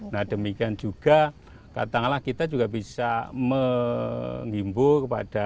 nah demikian juga katalah kita juga bisa mengimbuh kepada